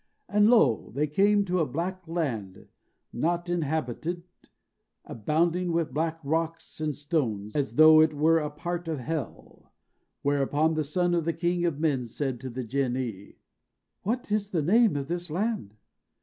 And lo! they came to a black land, not inhabited, abounding with black rocks and stones, as though it were a part of hell; whereupon the son of the king of men said to the Jinnee, "What is the name of this land?"